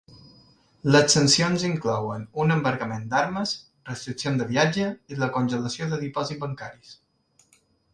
Les sancions inclouen un embargament d'armes, restriccions de viatge i la congelació de dipòsits bancaris.